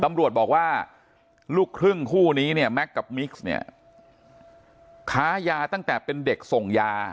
ตำรวจบอกว่าลูกครึ่งคู่นี้เนี่ยแม็กซ์กับมิกซ์เนี่ยค้ายาตั้งแต่เป็นเด็กส่งยา